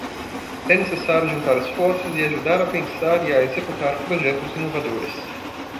É necessário juntar esforços e ajudar a pensar e a executar projetos inovadores